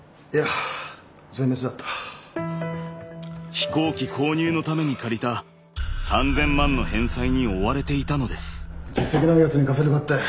飛行機購入のために借りた３０００万の返済に追われていたのです。